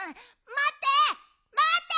まって！